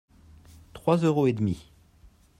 Trois euros et demi.